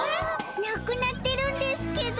なくなってるんですけど。